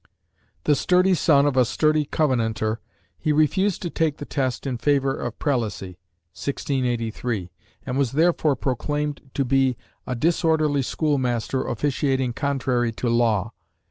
The sturdy son of a sturdy Covenanter, he refused to take the test in favor of prelacy (1683), and was therefore proclaimed to be "a disorderly school master officiating contrary to law."